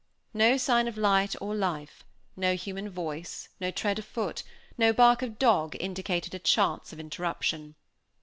No sign of light or life, no human voice, no tread of foot, no bark of dog indicated a chance of interruption.